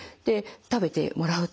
食べてもらうと。